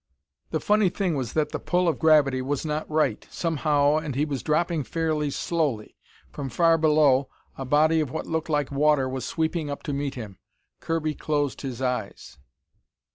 The funny thing was that the pull of gravity was not right, somehow, and he was dropping fairly slowly. From far below, a body of what looked like water was sweeping up to meet him. Kirby closed his eyes.